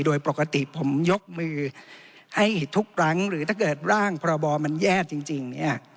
โดยปกติผมยกมือให้ทุกครั้งหรือถ้าเกิดร่างพรบมันแย่จริงเนี่ย